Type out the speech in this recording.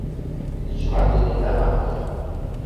¿Tikixmati nin amatl?